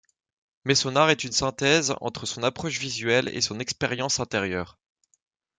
Mais son art est une synthèse entre son approche visuelle et son expérience intérieure.